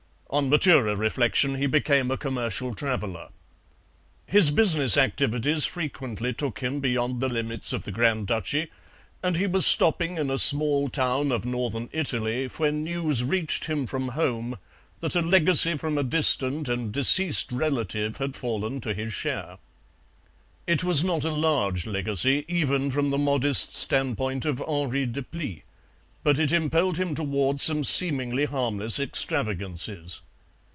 On maturer reflection he became a commercial traveller. His business activities frequently took him beyond the limits of the Grand Duchy, and he was stopping in a small town of Northern Italy when news reached him from home that a legacy from a distant and deceased relative had fallen to his share. "It was not a large legacy, even from the modest standpoint of Henri Deplis, but it impelled him towards some seemingly harmless extravagances.